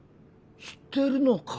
知ってるのか？